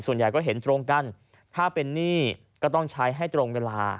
ส่วนใหญ่ก็เห็นตรงกันถ้าเป็นหนี้ก็ต้องใช้ให้ตรงเวลา